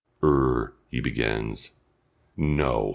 "Er " he begins. No!